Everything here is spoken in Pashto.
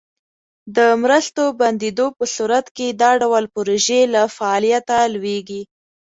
د مرستو بندیدو په صورت کې دا ډول پروژې له فعالیته لویږي.